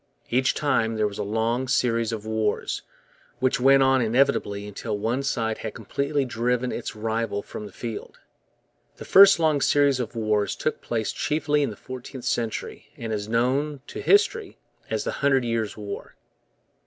Each time there was a long series of wars, which went on inevitably until one side had completely driven its rival from the field. The first long series of wars took place chiefly in the fourteenth century and is known to history as the Hundred Years' War.